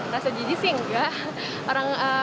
rasa jijik sih enggak